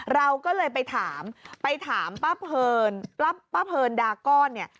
เราก็เลยไปถามไปถามป้าเพลินป้าเพลินดาก้อนเนี่ย